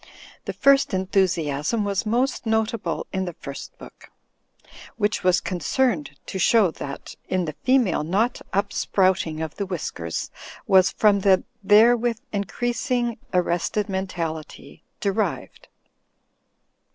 The first enUiusiasm was most notable in the first book, which was concerned to show that "in the female not upsprouting of the whiskers was from the therewith increasing arrested mentality derived.''